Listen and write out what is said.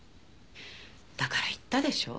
だから言ったでしょう。